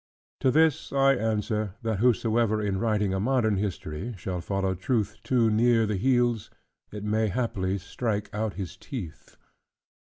To this I answer, that whosoever in writing a modern history, shall follow truth too near the heels, it may haply strike out his teeth.